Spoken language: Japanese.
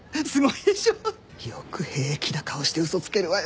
よく平気な顔して嘘つけるわよね。